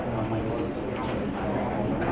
อ๋อไม่มีพิสิทธิ์